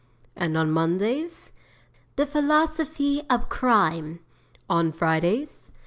'"And on Mondays?" '"The Philosophy of Crime." '"On Fridays?"